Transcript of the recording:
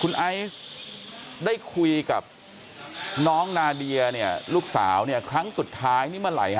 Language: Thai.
คุณไอศ์ได้คุยกับน้องนาเดียลูกสาวครั้งสุดท้ายนี่เมื่อไหร่